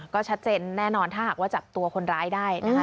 ก็ชัดเจนแน่นอนถ้าหากว่าจับตัวคนร้ายได้นะคะ